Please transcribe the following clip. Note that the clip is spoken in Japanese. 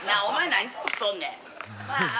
何撮っとんねん。